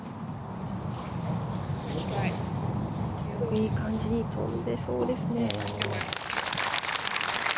いい感じに飛んでそうですね。